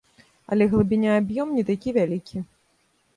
Але глыбіня і аб'ём не такі вялікі.